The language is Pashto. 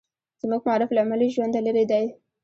زموږ معارف له عملي ژونده لرې دی.